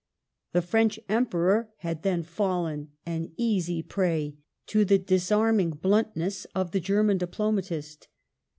The French Emperor had then fallen an easy prey to the disarming bluntness of the German diplomatist.